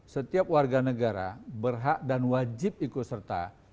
setiap warga negara berhak dan wajib ikut serta